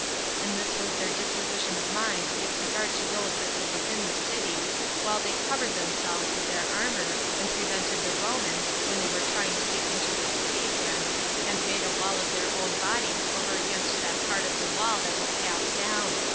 And this was their disposition of mind with regard to those that were within the city, while they covered themselves with their armor, and prevented the Romans, when they were trying to get into the city again, and made a wall of their own bodies over against that part of the wall that was cast down.